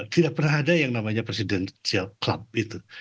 tidak pernah ada yang namanya presidential club itu